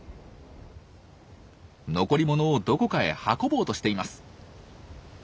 残り物をどこかへ運ぼうとしています。